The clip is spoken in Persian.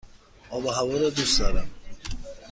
آب و هوا را دوست دارم.